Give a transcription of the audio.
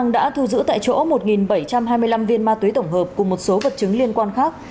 nhiều bảy trăm hai mươi năm viên ma túy tổng hợp cùng một số vật chứng liên quan khác